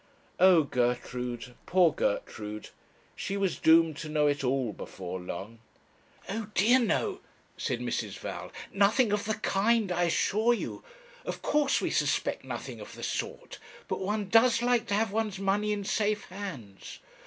Oh, Gertrude; poor Gertrude! she was doomed to know it all before long. 'Oh dear, no,' said Mrs. Val; 'nothing of the kind, I assure you. Of course we suspect nothing of the sort. But one does like to have one's money in safe hands.